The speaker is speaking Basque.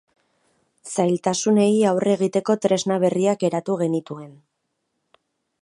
Zailtasunei aurre egiteko tresna berriak eratu genituen.